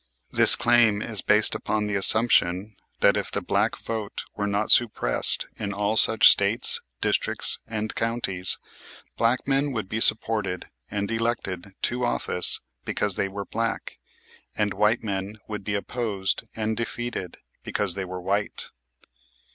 This claim is based upon the assumption that if the black vote were not suppressed in all such States, districts, and counties, black men would be supported and elected to office because they were black, and white men would be opposed and defeated because they were white.